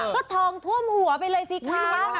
ก็ทองท่วมหัวไปเลยสิคะ